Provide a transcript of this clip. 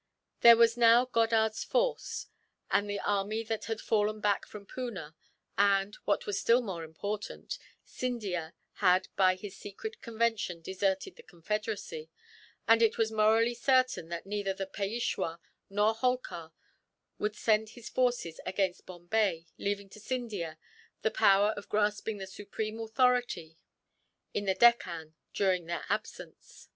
There was now Goddard's force, and the army that had fallen back from Poona and, what was still more important, Scindia had by his secret convention deserted the confederacy; and it was morally certain that neither the Peishwa nor Holkar would send his forces against Bombay, leaving to Scindia the power of grasping the supreme authority in the Deccan during their absence.